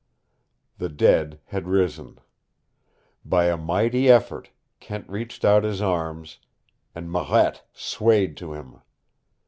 The dead had risen. By a mighty effort Kent reached out his arms, and Marette swayed to him.